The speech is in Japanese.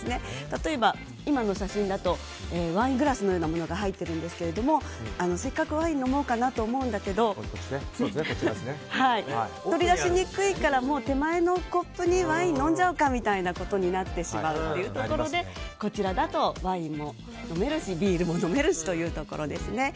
例えば、今の写真だとワイングラスのようなものが入ってるんですけどもせっかくワイン飲もうかなと思うんですけど取り出しにくいからもう手前のコップでワインを飲んじゃおうかみたいなことになってしまうのでこちらだとワインも飲めるしビールも飲めるしというところですね。